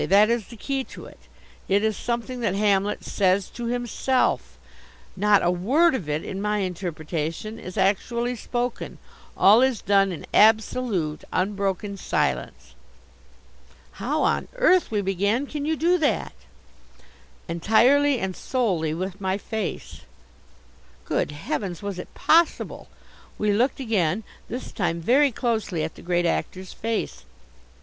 That is the key to it. It is something that Hamlet says to himself. Not a word of it, in my interpretation, is actually spoken. All is done in absolute, unbroken silence." "How on earth," we began, "can you do that?" "Entirely and solely with my face." Good heavens! Was it possible? We looked again, this time very closely, at the Great Actor's face.